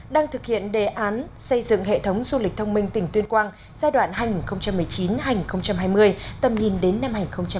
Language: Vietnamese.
đang thực hiện đề án xây dựng hệ thống du lịch thông minh tỉnh tuyên quang giai đoạn hành một mươi chín hành hai mươi tầm nhìn đến năm hai nghìn ba mươi